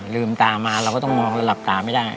ลืมตามาเราก็ต้องมองเราหลับตาไม่ได้